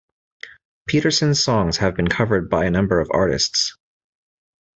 Peterson's songs have been covered by a number of artists.